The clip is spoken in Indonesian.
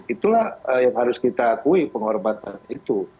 itulah yang harus kita akui penghormatan itu